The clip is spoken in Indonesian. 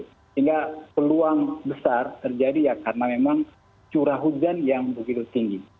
sehingga peluang besar terjadi ya karena memang curah hujan yang begitu tinggi